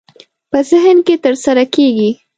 په ذهن کې ترسره کېږي.